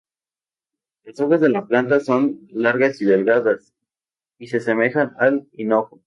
Las hojas de la planta son largas y delgadas y se asemejan al hinojo.